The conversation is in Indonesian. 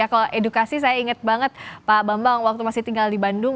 kalau edukasi saya ingat banget pak bambang waktu masih tinggal di bandung